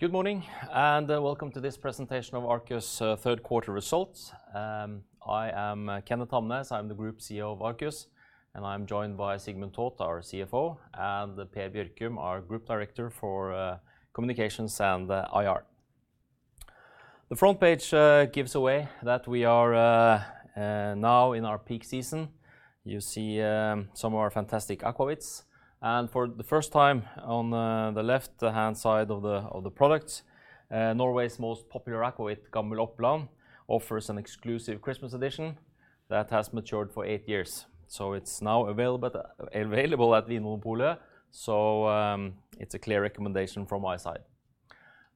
Good morning, welcome to this presentation of Arcus' Third Quarter Results. I am Kenneth Hamnes. I'm the Group CEO of Arcus, and I'm joined by Sigmund Toth, our CFO, and Per Bjørkum, our Group Director for Communications and IR. The front page gives away that we are now in our peak season. You see some of our fantastic aquavits. For the first time on the left-hand side of the products, Norway's most popular akevitt, Gammel Opland, offers an exclusive Christmas edition that has matured for eight years. It's now available at Vinmonopolet, so it's a clear recommendation from my side.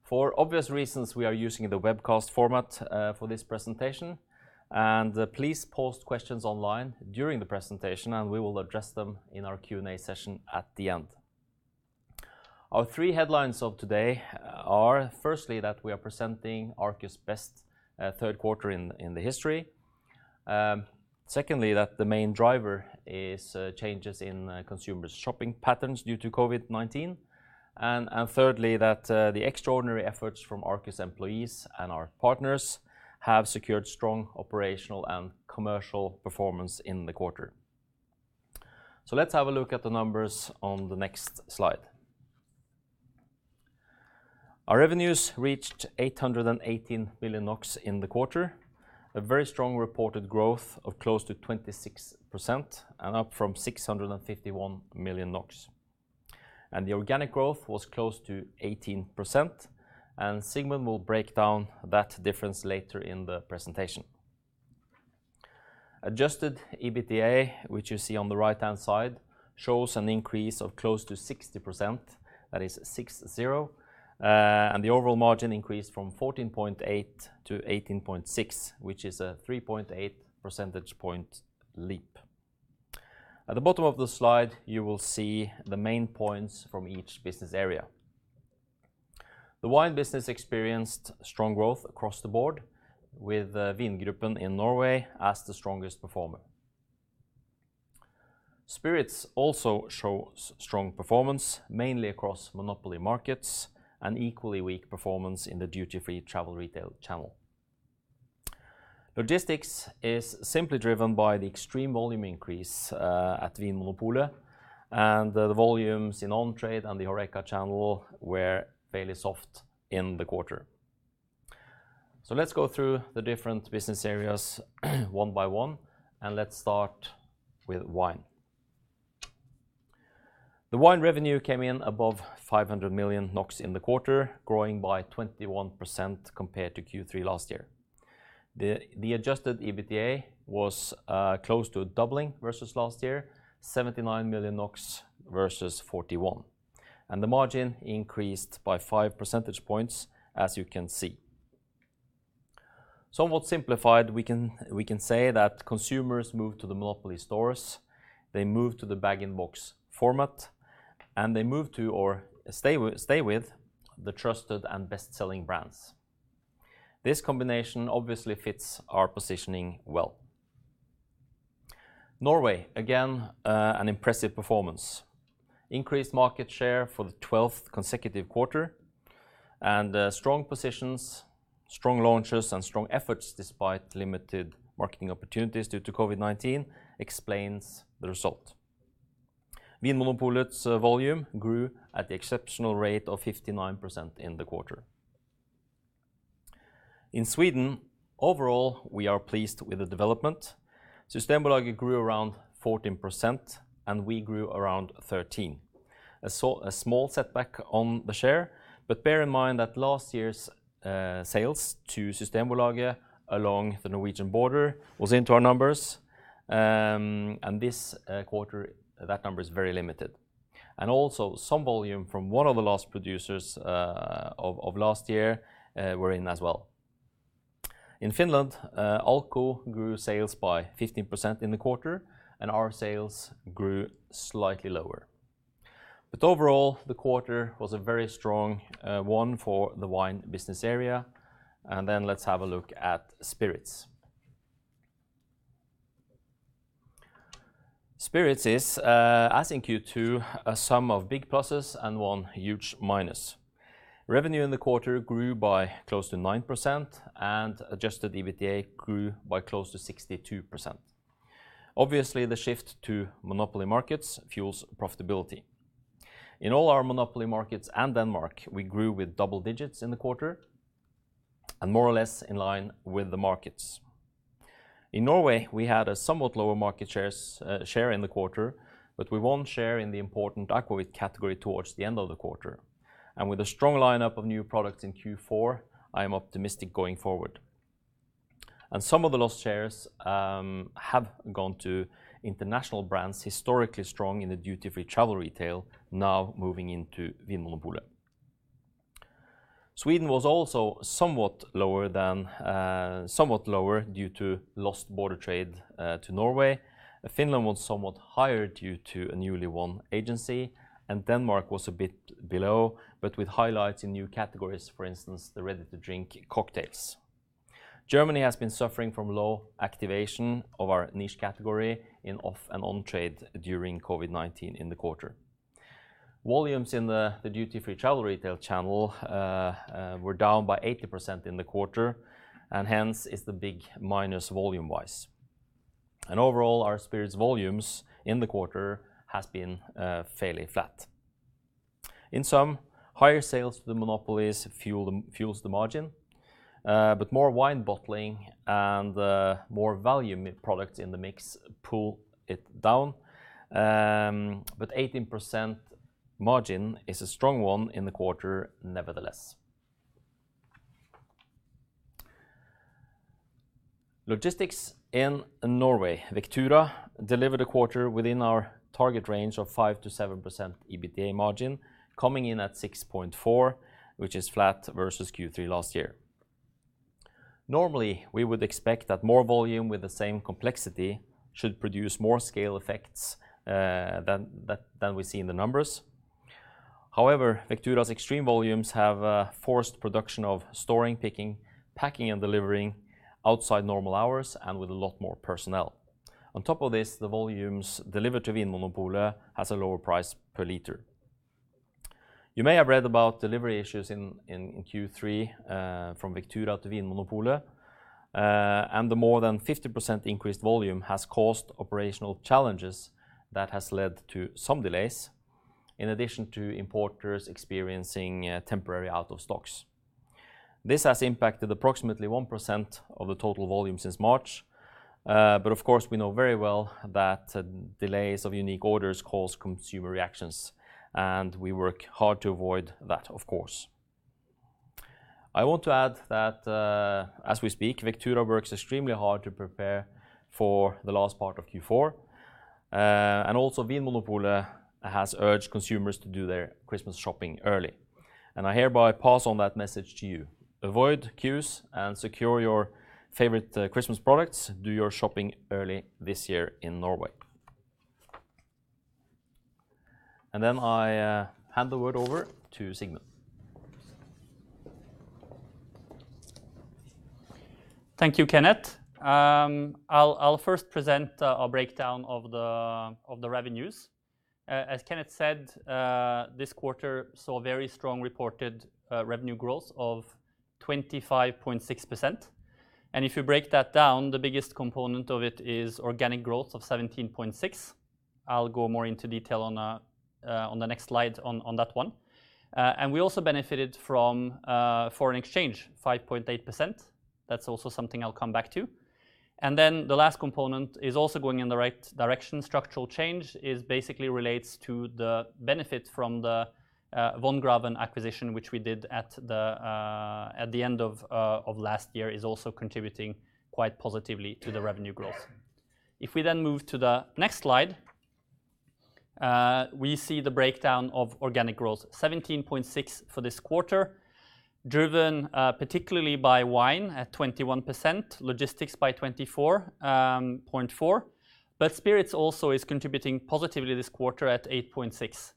For obvious reasons, we are using the webcast format for this presentation. Please post questions online during the presentation and we will address them in our Q&A session at the end. Our three headlines of today are firstly, that we are presenting Arcus' best third quarter in the history. Secondly, that the main driver is changes in consumers' shopping patterns due to COVID-19. Thirdly, that the extraordinary efforts from Arcus employees and our partners have secured strong operational and commercial performance in the quarter. Let's have a look at the numbers on the next slide. Our revenues reached 818 million NOK in the quarter, a very strong reported growth of close to 26% and up from 651 million NOK. The organic growth was close to 18%, and Sigmund will break down that difference later in the presentation. Adjusted EBITDA, which you see on the right-hand side, shows an increase of close to 60%, that is six zero, and the overall margin increased from 14.8% to 8.6%, which is a 3.8 percentage point leap. At the bottom of the slide, you will see the main points from each business area. The wine business experienced strong growth across the board with Vingruppen in Norway as the strongest performer. Spirits also shows strong performance, mainly across monopoly markets and equally weak performance in the duty-free travel retail channel. Logistics is simply driven by the extreme volume increase at Vinmonopolet, and the volumes in on-trade and the HORECA channel were fairly soft in the quarter. Let's go through the different business areas one by one and let's start with wine. The wine revenue came in above 500 million NOK in the quarter, growing by 21% compared to Q3 last year. The adjusted EBITDA was close to doubling versus last year, 79 million NOK versus 41 million. The margin increased by 5 percentage points, as you can see. Somewhat simplified, we can say that consumers moved to the monopoly stores, they moved to the bag-in-box format, and they moved to or stayed with the trusted and best-selling brands. This combination obviously fits our positioning well. Norway, again, an impressive performance. Increased market share for the 12th consecutive quarter and strong positions, strong launches, and strong efforts despite limited marketing opportunities due to COVID-19 explains the result. Vinmonopolet's volume grew at the exceptional rate of 59% in the quarter. In Sweden, overall, we are pleased with the development. Systembolaget grew around 14% and we grew around 13%. I saw a small setback on the share, but bear in mind that last year's sales to Systembolaget along the Norwegian border was into our numbers, and this quarter, that number is very limited. Also some volume from one of the lost producers of last year were in as well. In Finland, Alko grew sales by 15% in the quarter, and our sales grew slightly lower. Overall, the quarter was a very strong one for the wine business area. Let's have a look at spirits. Spirits is, as in Q2, a sum of big pluses and one huge minus. Revenue in the quarter grew by close to 9% and adjusted EBITDA grew by close to 62%. Obviously, the shift to monopoly markets fuels profitability. In all our monopoly markets and Denmark, we grew with double digits in the quarter and more or less in line with the markets. In Norway, we had a somewhat lower market share in the quarter, but we won share in the important akevitt category towards the end of the quarter. With a strong lineup of new products in Q4, I am optimistic going forward. Some of the lost shares have gone to international brands historically strong in the duty-free travel retail, now moving into Vinmonopolet. Sweden was also somewhat lower due to lost border trade to Norway. Finland was somewhat higher due to a newly won agency, and Denmark was a bit below, but with highlights in new categories, for instance, the ready-to-drink cocktails. Germany has been suffering from low activation of our niche category in off and on-trade during COVID-19 in the quarter. Volumes in the duty-free travel retail channel were down by 80% in the quarter, and hence, is the big minus volume-wise. Overall, our spirits volumes in the quarter has been fairly flat. In sum, higher sales to the monopolies fuels the margin, but more wine bottling and more volume products in the mix pull it down. 18% margin is a strong one in the quarter nevertheless. Logistics in Norway, Vectura, delivered a quarter within our target range of 5%-7% EBITDA margin, coming in at 6.4%, which is flat versus Q3 last year. Normally, we would expect that more volume with the same complexity should produce more scale FX than we see in the numbers. However, Vectura's extreme volumes have forced production of storing, picking, packing, and delivering outside normal hours and with a lot more personnel. On top of this, the volumes delivered to Vinmonopolet has a lower price per liter. You may have read about delivery issues in Q3 from Vectura to Vinmonopolet, and the more than 50% increased volume has caused operational challenges that has led to some delays, in addition to importers experiencing temporary out of stocks. This has impacted approximately 1% of the total volume since March. Of course, we know very well that delays of unique orders cause consumer reactions, and we work hard to avoid that, of course. I want to add that, as we speak, Vectura works extremely hard to prepare for the last part of Q4. Also Vinmonopolet has urged consumers to do their Christmas shopping early. I hereby pass on that message to you. Avoid queues and secure your favorite Christmas products. Do your shopping early this year in Norway. Then I hand the word over to Sigmund. Thank you, Kenneth. I'll first present a breakdown of the revenues. As Kenneth said, this quarter saw very strong reported revenue growth of 25.6%. If you break that down, the biggest component of it is organic growth of 17.6%. I'll go more into detail on the next slide on that one. We also benefited from foreign exchange, 5.8%. That's also something I'll come back to. The last component is also going in the right direction. Structural change basically relates to the benefit from the Wongraven acquisition, which we did at the end of last year, is also contributing quite positively to the revenue growth. If we then move to the next slide, we see the breakdown of organic growth, 17.6% for this quarter, driven particularly by wine at 21%, logistics by 24.4%, but spirits also is contributing positively this quarter at 8.6%.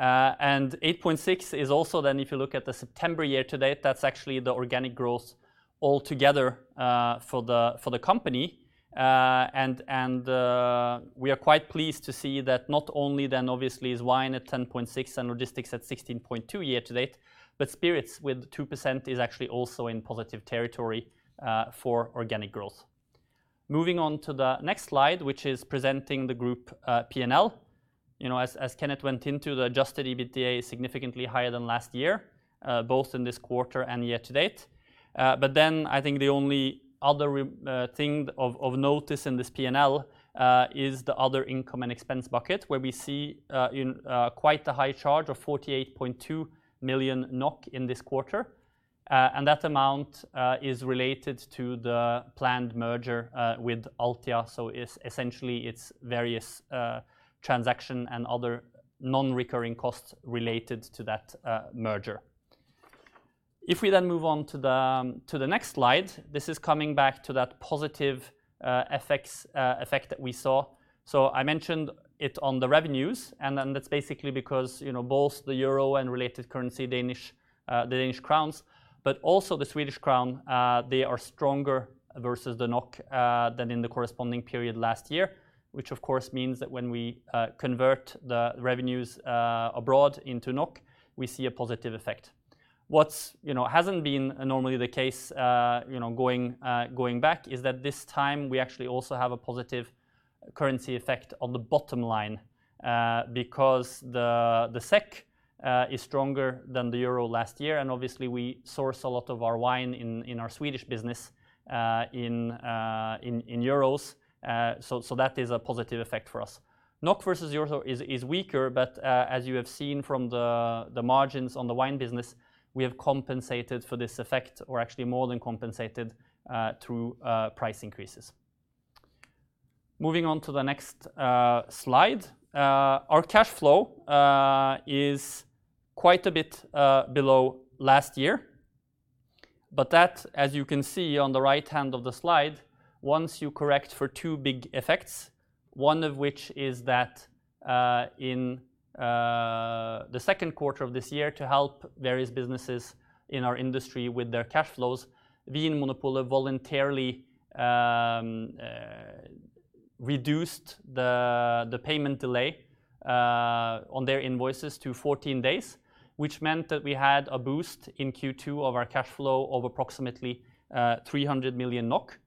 8.6% is also, if you look at the September year to date, that's actually the organic growth altogether for the company. We are quite pleased to see that not only, obviously, is wine at 10.6% and logistics at 16.2% year to date, but spirits with 2% is actually also in positive territory for organic growth. Moving on to the next slide, which is presenting the group P&L. As Kenneth went into, the adjusted EBITDA is significantly higher than last year, both in this quarter and year to date. I think the only other thing of notice in this P&L is the other income and expense bucket, where we see quite a high charge of 48.2 million NOK in this quarter. That amount is related to the planned merger with Altia. Essentially, it's various transaction and other non-recurring costs related to that merger. If we move on to the next slide, this is coming back to that positive effect that we saw. I mentioned it on the revenues, that's basically because both the euro and related currency, the Danish crowns, but also the Swedish crown, they are stronger versus the NOK than in the corresponding period last year, which of course means that when we convert the revenues abroad into NOK, we see a positive effect. What hasn't been normally the case going back is that this time we actually also have a positive currency effect on the bottom line, because the SEK is stronger than the EUR last year, and obviously we source a lot of our wine in our Swedish business in euros. That is a positive effect for us. NOK versus EUR is weaker, but as you have seen from the margins on the wine business, we have compensated for this effect, or actually more than compensated, through price increases. Moving on to the next slide. Our cash flow is quite a bit below last year, but that, as you can see on the right hand of the slide, once you correct for two big effects. One of which is that in the second quarter of this year, to help various businesses in our industry with their cash flows, Vinmonopolet voluntarily reduced the payment delay on their invoices to 14 days, which meant that we had a boost in Q2 of our cash flow of approximately 300 million NOK.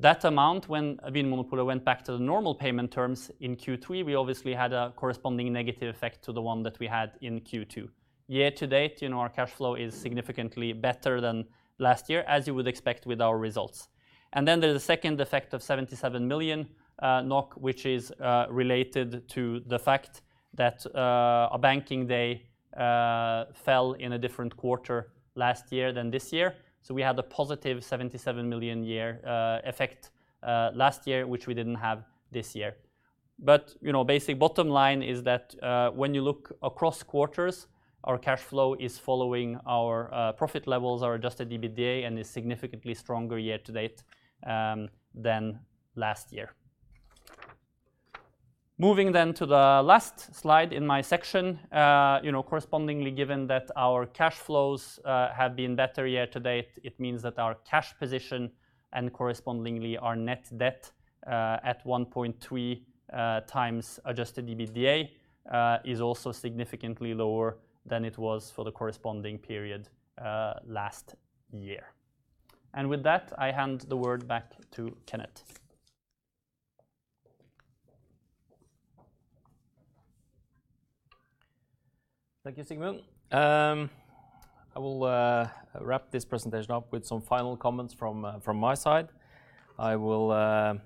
That amount, when Vinmonopolet went back to the normal payment terms in Q3, we obviously had a corresponding negative effect to the one that we had in Q2. Year to date, our cash flow is significantly better than last year, as you would expect with our results. There's a second effect of 77 million NOK, which is related to the fact that a banking day fell in a different quarter last year than this year. We had a positive 77 million year effect last year, which we didn't have this year. Basic bottom line is that when you look across quarters, our cash flow is following our profit levels, our adjusted EBITDA, and is significantly stronger year to date than last year. Moving to the last slide in my section. Correspondingly, given that our cash flows have been better year to date, it means that our cash position and correspondingly our net debt at 1.3x adjusted EBITDA is also significantly lower than it was for the corresponding period last year. With that, I hand the word back to Kenneth. Thank you, Sigmund. I will wrap this presentation up with some final comments from my side. I will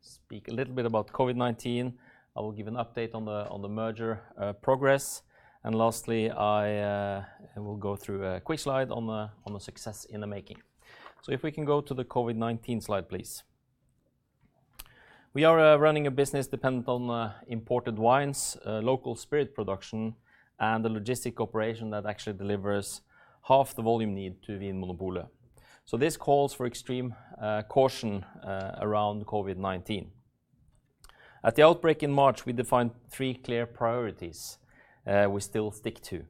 speak a little bit about COVID-19. I will give an update on the merger progress, and lastly, I will go through a quick slide on the success in the making. If we can go to the COVID-19 slide, please. We are running a business dependent on imported wines, local spirit production, and the logistic operation that actually delivers half the volume needed to Vinmonopolet. This calls for extreme caution around COVID-19. At the outbreak in March, we defined three clear priorities we still stick to.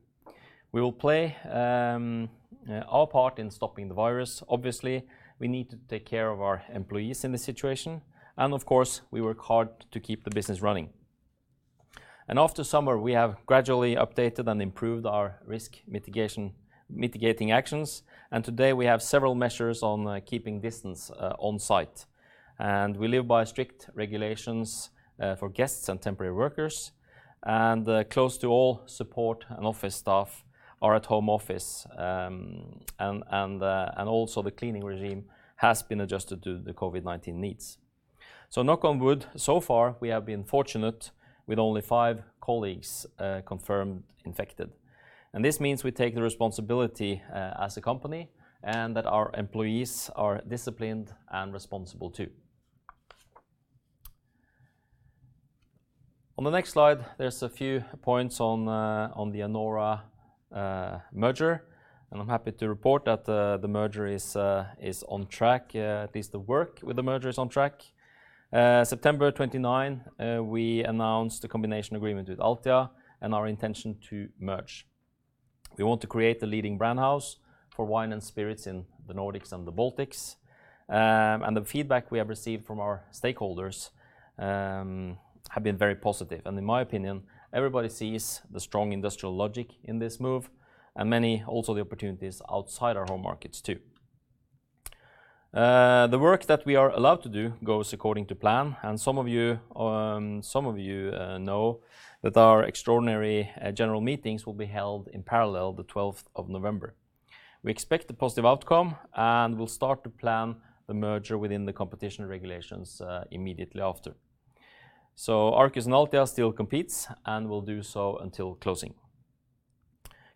We will play our part in stopping the virus. Obviously, we need to take care of our employees in this situation, and of course, we work hard to keep the business running. After summer, we have gradually updated and improved our risk-mitigating actions, and today we have several measures on keeping distance on site. We live by strict regulations for guests and temporary workers, and close to all support and office staff are at home office. Also the cleaning regime has been adjusted to the COVID-19 needs. Knock on wood, so far we have been fortunate with only five colleagues confirmed infected. This means we take the responsibility as a company and that our employees are disciplined and responsible, too. On the next slide, there's a few points on the Anora merger, and I'm happy to report that the merger is on track. At least the work with the merger is on track. September 29, we announced a combination agreement with Altia and our intention to merge. We want to create the leading brand house for wine and spirits in the Nordics and the Baltics. The feedback we have received from our stakeholders have been very positive. In my opinion, everybody sees the strong industrial logic in this move and many also the opportunities outside our home markets, too. The work that we are allowed to do goes according to plan, and some of you know that our extraordinary general meetings will be held in parallel the 12th of November. We expect a positive outcome and will start to plan the merger within the competition regulations immediately after. Arcus and Altia still competes and will do so until closing.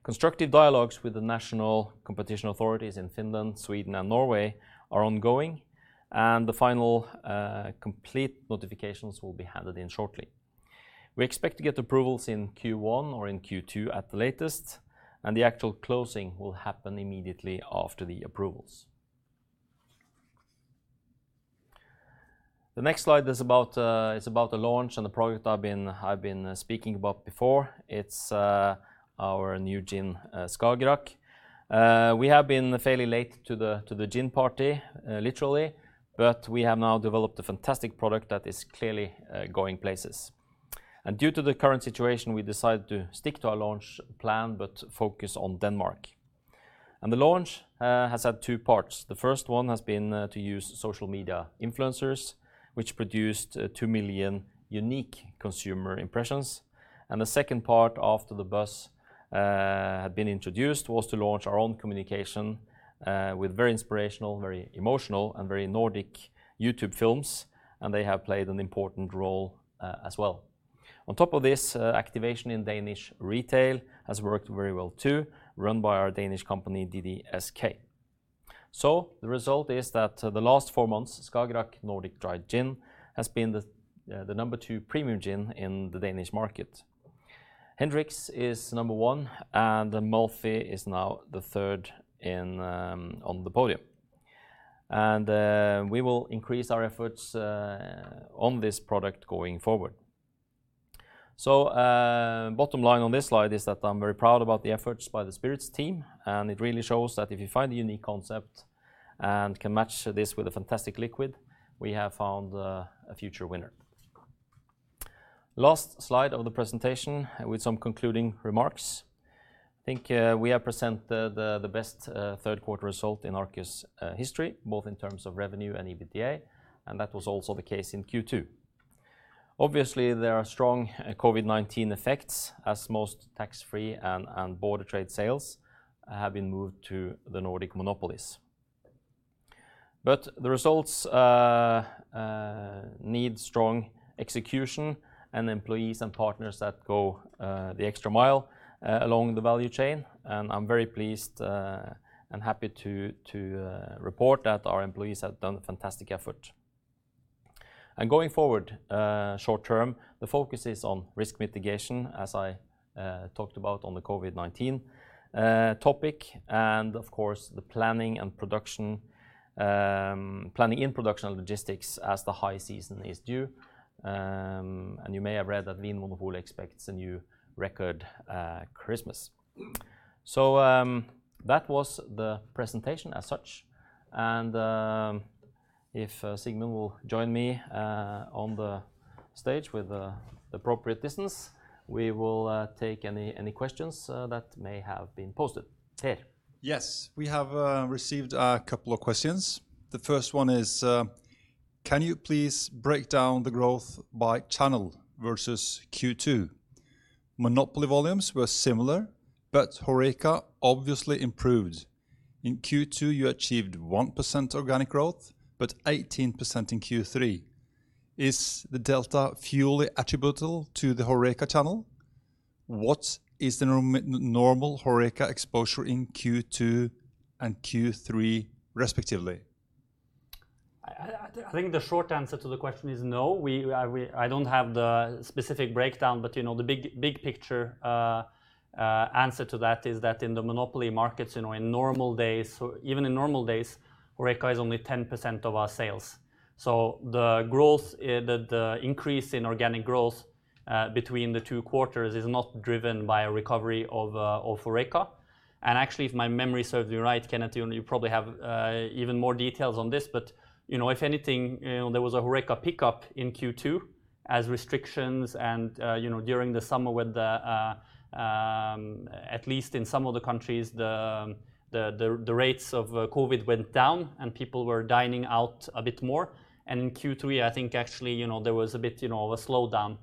Constructive dialogues with the national competition authorities in Finland, Sweden and Norway are ongoing, and the final complete notifications will be handed in shortly. We expect to get approvals in Q1 or in Q2 at the latest, and the actual closing will happen immediately after the approvals. The next slide is about the launch and the project I've been speaking about before. It's our new gin, Skagerrak. We have been fairly late to the gin party, literally, but we have now developed a fantastic product that is clearly going places. Due to the current situation, we decided to stick to our launch plan, but focus on Denmark. The launch has had two parts. The first one has been to use social media influencers, which produced 2 million unique consumer impressions. The second part after the buzz had been introduced was to launch our own communication with very inspirational, very emotional, and very Nordic YouTube films, and they have played an important role as well. On top of this, activation in Danish retail has worked very well, too, run by our Danish company DDSK. The result is that the last four months, Skagerrak Nordic Dry Gin has been the number two premium gin in the Danish market. Hendrick's is number one, and Malfy is now the third on the podium. We will increase our efforts on this product going forward. Bottom line on this slide is that I'm very proud about the efforts by the spirits team, and it really shows that if you find a unique concept and can match this with a fantastic liquid, we have found a future winner. Last slide of the presentation with some concluding remarks. I think we have presented the best third quarter result in Arcus history, both in terms of revenue and EBITDA, and that was also the case in Q2. Obviously, there are strong COVID-19 effects as most tax-free and border trade sales have been moved to the Nordic monopolies. The results need strong execution and employees and partners that go the extra mile along the value chain, and I'm very pleased and happy to report that our employees have done a fantastic effort. Going forward, short term, the focus is on risk mitigation, as I talked about on the COVID-19 topic, and of course, the planning in production and logistics as the high season is due. You may have read that Vinmonopolet expects a new record Christmas. That was the presentation as such, and if Sigmund will join me on the stage with appropriate distance, we will take any questions that may have been posted. Terje. Yes, we have received a couple of questions. The first one is: Can you please break down the growth by channel versus Q2? Monopoly volumes were similar, but HORECA obviously improved. In Q2, you achieved 1% organic growth, but 18% in Q3. Is the delta fully attributable to the HORECA channel? What is the normal HORECA exposure in Q2 and Q3 respectively? I think the short answer to the question is no. I don't have the specific breakdown, but the big picture answer to that is that in the monopoly markets, even in normal days, HORECA is only 10% of our sales. The increase in organic growth between the two quarters is not driven by a recovery of HORECA. Actually, if my memory serves me right, Kenneth, you probably have even more details on this, but if anything, there was a HORECA pickup in Q2 as restrictions and during the summer when, at least in some of the countries, the rates of COVID went down, and people were dining out a bit more. In Q3, I think actually there was a bit of a slowdown.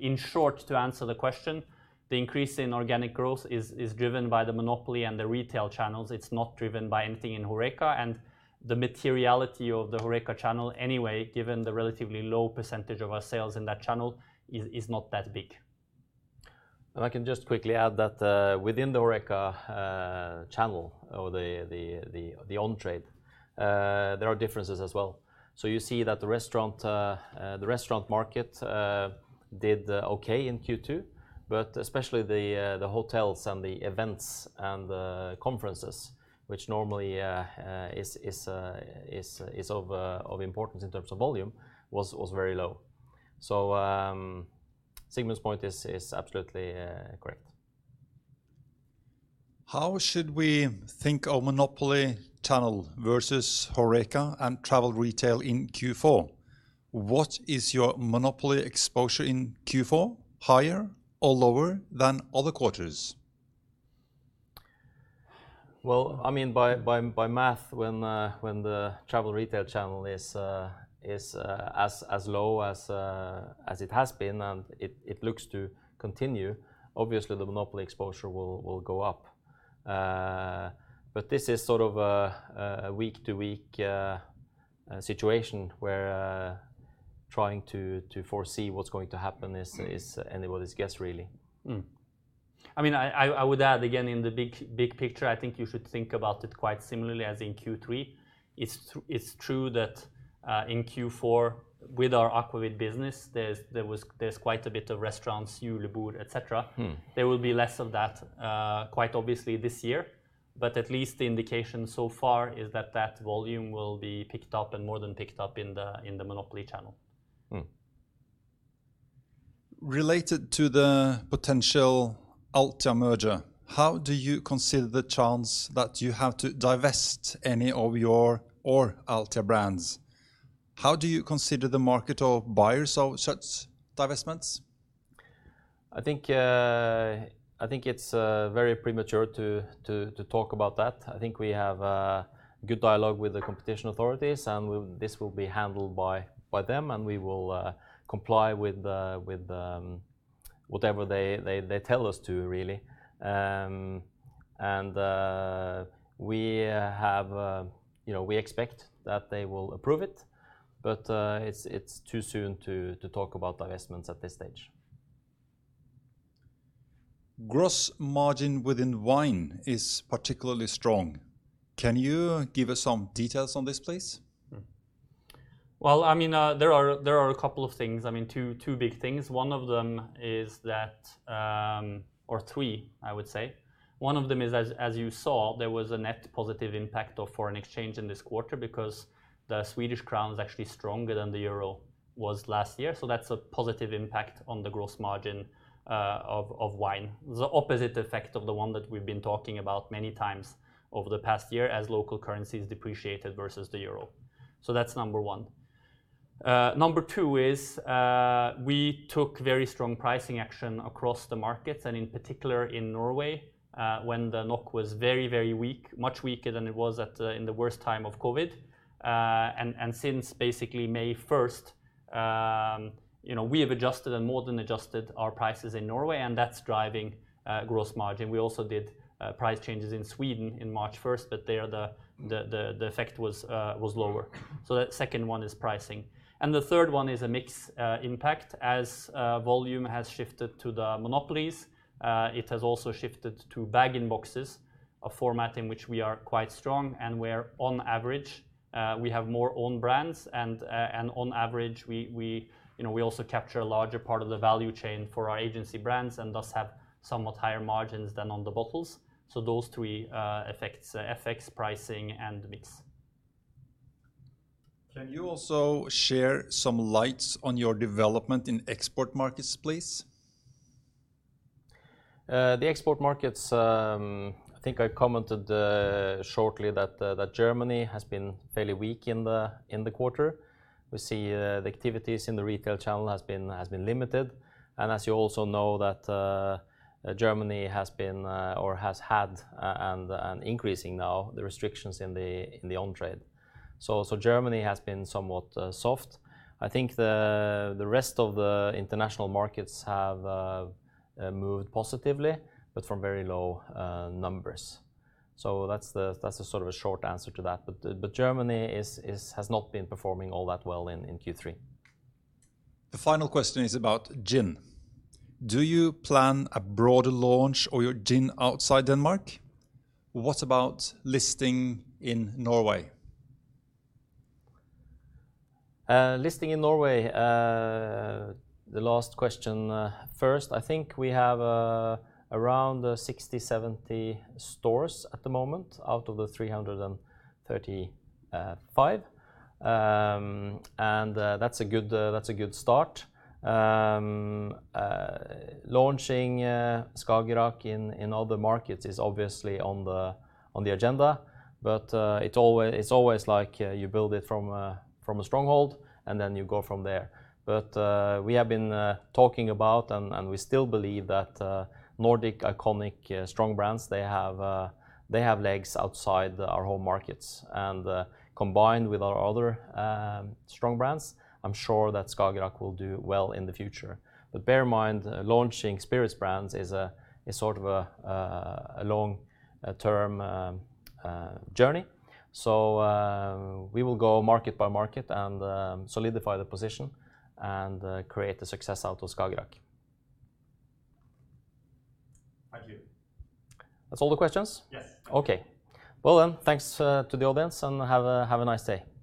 In short, to answer the question, the increase in organic growth is driven by the monopoly and the retail channels. It's not driven by anything in HORECA, and the materiality of the HORECA channel anyway, given the relatively low percentage of our sales in that channel, is not that big. I can just quickly add that within the HORECA channel, or the on-trade, there are differences as well. You see that the restaurant market did okay in Q2, but especially the hotels and the events and the conferences, which normally is of importance in terms of volume, was very low. Sigmund's point is absolutely correct. How should we think of monopoly channel versus HORECA and travel retail in Q4? What is your monopoly exposure in Q4, higher or lower than other quarters? Well, by math, when the travel retail channel is as low as it has been, and it looks to continue, obviously the monopoly exposure will go up. This is a week-to-week situation, where trying to foresee what's going to happen is anybody's guess, really. I would add again, in the big picture, I think you should think about it quite similarly as in Q3. It's true that in Q4 with our aquavit business, there's quite a bit of restaurants, et cetera. There will be less of that quite obviously this year, but at least the indication so far is that volume will be picked up and more than picked up in the monopoly channel. Related to the potential Altia merger, how do you consider the chance that you have to divest any of your or Altia brands? How do you consider the market of buyers of such divestments? I think it's very premature to talk about that. I think we have a good dialogue with the competition authorities, and this will be handled by them, and we will comply with whatever they tell us to, really. We expect that they will approve it, but it's too soon to talk about divestments at this stage. Gross margin within wine is particularly strong. Can you give us some details on this, please? There are a couple of things, two big things, or three, I would say. One of them is, as you saw, there was a net positive impact of foreign exchange in this quarter because the SEK is actually stronger than the EUR was last year. That's a positive impact on the gross margin of wine. The opposite effect of the one that we've been talking about many times over the past year as local currencies depreciated versus the EUR. That's number 1. Number 2 is we took very strong pricing action across the markets, and in particular in Norway, when the NOK was very weak, much weaker than it was in the worst time of COVID. Since basically May 1st, we have adjusted and more than adjusted our prices in Norway, and that's driving gross margin. We also did price changes in Sweden in March 1st, but there the effect was lower. That second one is pricing. The third one is a mix impact. As volume has shifted to the monopolies, it has also shifted to bag-in-boxes, a format in which we are quite strong and where on average, we have more own brands and on average, we also capture a larger part of the value chain for our agency brands and thus have somewhat higher margins than on the bottles. Those three, effects, pricing, and mix. Can you also share some light on your development in export markets, please? The export markets, I think I commented shortly that Germany has been fairly weak in the quarter. We see the activities in the retail channel has been limited, and as you also know that Germany has been or has had an increasing now the restrictions in the on-trade. Germany has been somewhat soft. I think the rest of the international markets have moved positively, but from very low numbers. That's the short answer to that. Germany has not been performing all that well in Q3. The final question is about gin. Do you plan a broader launch of your gin outside Denmark? What about listing in Norway? Listing in Norway, the last question first, I think we have around 60 stores, 70 stores at the moment out of the 335 stores. That's a good start. Launching Skagerrak in other markets is obviously on the agenda, but it's always like you build it from a stronghold, and then you go from there. We have been talking about, and we still believe that Nordic iconic strong brands, they have legs outside our home markets. Combined with our other strong brands, I'm sure that Skagerrak will do well in the future. Bear in mind, launching spirits brands is a long-term journey. We will go market by market and solidify the position and create the success out of Skagerrak. Thank you. That's all the questions? Yes. Okay. Thanks to the audience, and have a nice day.